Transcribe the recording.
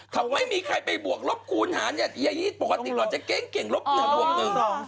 ถ้าไม่มีใครไปบวกลบคูณหาเนี่ยอย่างนี้ปกติเราจะเก่งเก่งลบหนึ่ง